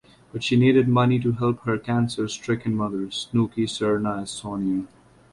But she needed money to help her cancer stricken mother Snooky Serna as Sonya.